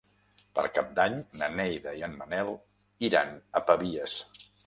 Per Cap d'Any na Neida i en Manel iran a Pavies.